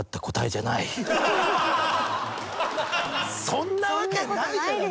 そんな訳ないじゃない。